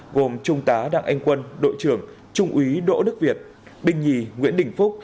gồm trung tá đặng anh quân đội trưởng trung úy đỗ đức việt binh nhì nguyễn đình phúc